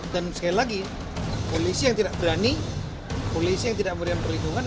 dan sekali lagi polisi yang tidak berani polisi yang tidak memberikan perlindungan